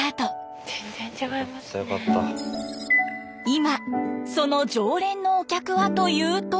今その常連のお客はというと。